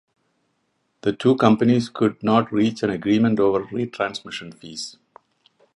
The two companies could not reach an agreement over retransmission fees.